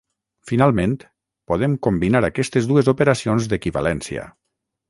Finalment, podem combinar aquestes dues operacions d'equivalència.